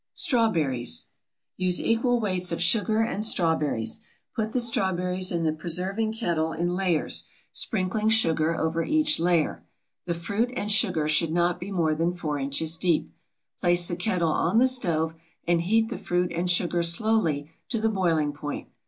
STRAWBERRIES. Use equal weights of sugar and strawberries. Put the strawberries in the preserving kettle in layers, sprinkling sugar over each layer. The fruit and sugar should not be more than 4 inches deep. Place the kettle on the stove and heat the fruit and sugar slowly to the boiling point.